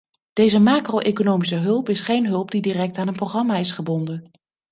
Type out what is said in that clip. Deze macro-economische hulp is geen hulp die direct aan een programma is gebonden.